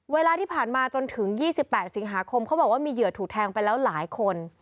เวลาที่ผ่านมาจนถึง๒๘สิงหาคมเขาบอกว่ามีเหยื่อถูกแทงไปแล้วหลายคน